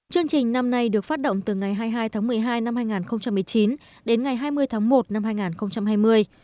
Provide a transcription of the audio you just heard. chương trình năm nay được phát động từ ngày hai mươi hai tháng một mươi hai năm hai nghìn một mươi chín đến ngày hai mươi tháng một năm hai nghìn hai mươi